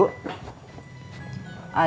ada tuh di kamar